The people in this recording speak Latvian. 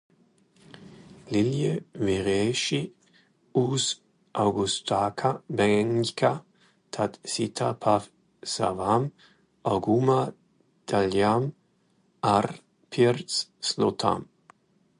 Lielie vīrieši uz augstākā beņķa tad sita pa savām auguma daļām ar pirts slotām.